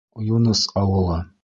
Юныс ауылы.